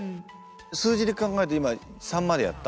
数字で考えると今３までやった？